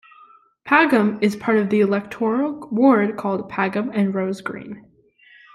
Pagham is part of the electoral ward called Pagham and Rose Green.